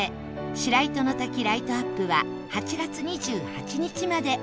白糸の滝ライトアップは８月２８日まで